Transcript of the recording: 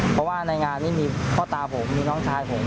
เพราะว่าในงานนี้มีพ่อตาผมมีน้องชายผม